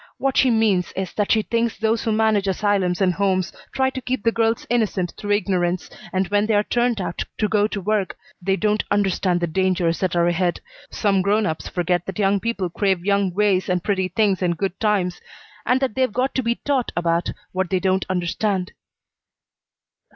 What she means is that she thinks those who manage asylums and homes try to keep the girls innocent through ignorance, and when they're turned out to go to work they don't understand the dangers that are ahead. Some grown ups forget that young people crave young ways and pretty things and good times, and that they've got to be taught about what they don't understand."